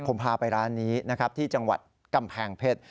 ผมพาไปร้านนี้นะครับที่จังหวัดกำแพงเพชร